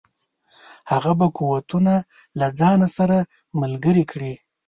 هغه به قوتونه له ځان سره ملګري کړي.